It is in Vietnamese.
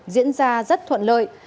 diễn ra rất thuận lợi